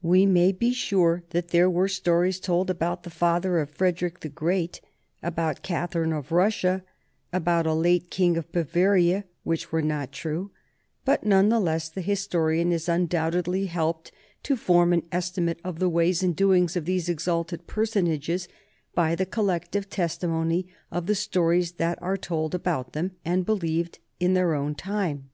We may be sure that there were stories told about the father of Frederick the Great, about Catherine of Russia, about a late King of Bavaria, which were not true, but none the less the historian is undoubtedly helped to form an estimate of the ways and doings of these exalted personages by the collective testimony of the stories that are told about them and believed in their own time.